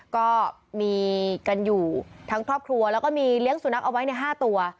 ก็มีกันอยู่ทั้งครอบครัวแล้วก็มีเลี้ยงสุนัขเอาไว้ใน๕ตัว